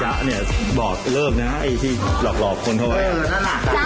จ๊ะเนี่ยบอกเริ่มนะไอ้ที่หลอกคนเท่าไหร่